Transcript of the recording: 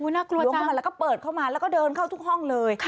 น่ากลัวล้วงเข้ามาแล้วก็เปิดเข้ามาแล้วก็เดินเข้าทุกห้องเลย